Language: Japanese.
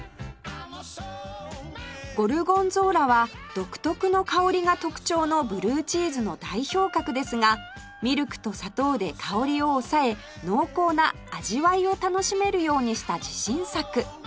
ゴルゴンゾーラは独特の香りが特徴のブルーチーズの代表格ですがミルクと砂糖で香りを抑え濃厚な味わいを楽しめるようにした自信作